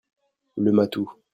Le matou.